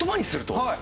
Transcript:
はい。